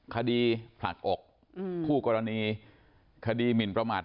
คดีผลักอกคู่กรณีคดีหมินประมาท